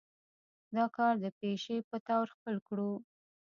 دا کار د پيشې پۀ طور خپل کړو